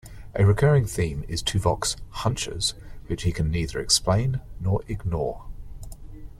A recurring theme is Tuvok's "hunches", which he can neither explain nor ignore.